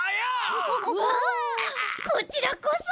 うわこちらこそ！